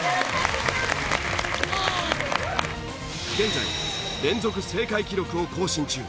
現在連続正解記録を更新中。